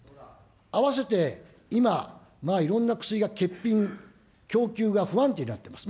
あわせて今、いろんな薬が欠品、供給が不安定になってます。